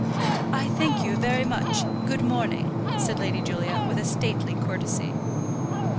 "I thank you very much. Good morning," said Lady Julia, with a stately courtesy.